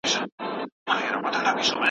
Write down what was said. که سرچینې وي، پرمختګ به هم وي.